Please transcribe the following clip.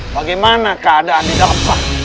bagaimana keadaan di dalam